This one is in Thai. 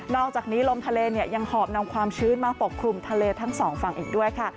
อกจากนี้ลมทะเลยังหอบนำความชื้นมาปกคลุมทะเลทั้งสองฝั่งอีกด้วยค่ะ